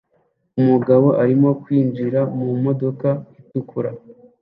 Umugabo arimo kwinjira mu modoka itukura